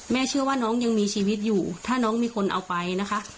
เชื่อว่าน้องยังมีชีวิตอยู่ถ้าน้องมีคนเอาไปนะคะ